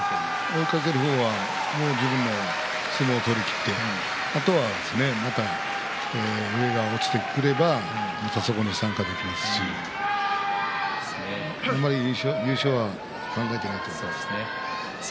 追いかける方は自分の相撲を取りきってまた上が落ちてくればそこに参加できますしあんまり優勝は考えていないと思います。